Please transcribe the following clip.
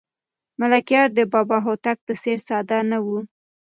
ملکیار د بابا هوتک په څېر ساده نه و.